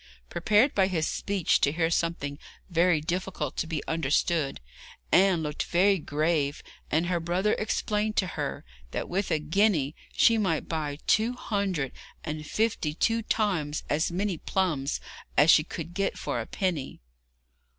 Prepared by this speech to hear something very difficult to be understood, Anne looked very grave, and her brother explained to her that with a guinea she might buy two hundred and fifty two times as many plums as she could get for a penny.